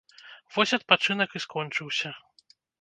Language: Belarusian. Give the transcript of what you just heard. Вось адпачынак і скончыўся.